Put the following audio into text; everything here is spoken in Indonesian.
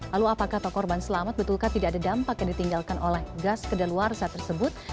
lalu apakah pak korban selamat betulkah tidak ada dampak yang ditinggalkan oleh gas kedaluarsa tersebut